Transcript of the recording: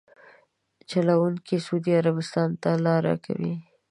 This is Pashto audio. چلونکي سعودي عربستان ته لاره کوي.